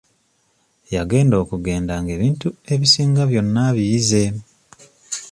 Yagenda okugenda nga ebintu ebisinga byonna abiyize.